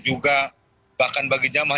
juga bahkan bagi jamah